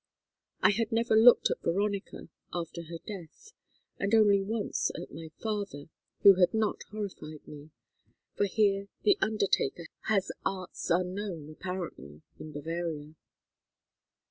I had never looked at Veronica after her death, and only once at my father, who had not horrified me, for here the undertaker has arts unknown, apparently, in Bavaria.